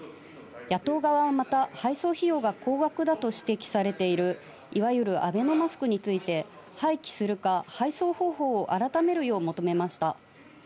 野党側はまた、配送費用が高額だと指摘されている、いわゆるアベノマスクについて、廃棄するか、配送方法を改めるよう求めました。